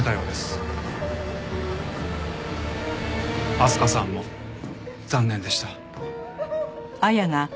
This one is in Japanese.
明日香さんも残念でした。